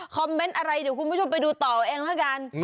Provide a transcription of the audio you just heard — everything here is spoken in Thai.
เมนต์อะไรเดี๋ยวคุณผู้ชมไปดูต่อเองแล้วกัน